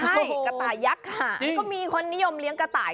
ใช่กระต่ายักษ์ค่ะก็มีคนนิยมเลี้ยงกระต่าย